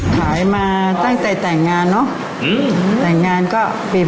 ขายมาตั้งแต่แต่งงานเนอะแต่งงานก็เป็น